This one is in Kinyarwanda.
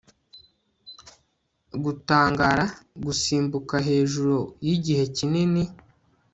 Gutangara gusimbuka hejuru yigihe kinini